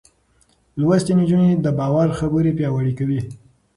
لوستې نجونې د باور خبرې پياوړې کوي.